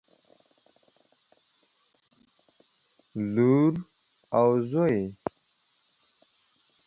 لور او زوى